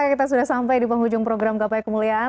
kita sudah sampai di penghujung program gapai kemuliaan